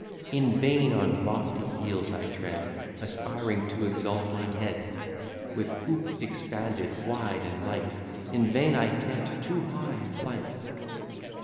In vain on lofty heels I tread, Aspiring to exalt my head; With hoop expanded wide and light, In vain I 'tempt too high a flight.